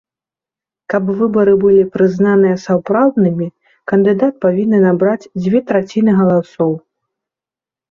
Каб выбары былі прызнаныя сапраўднымі, кандыдат павінны набраць дзве траціны галасоў.